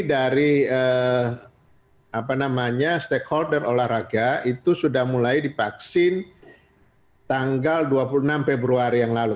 dari stakeholder olahraga itu sudah mulai divaksin tanggal dua puluh enam februari yang lalu